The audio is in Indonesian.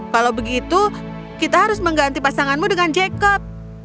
kalau begitu kita harus mengganti pasanganmu dengan jacob